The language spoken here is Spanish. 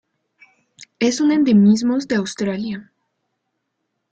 Es un endemismos de Australia.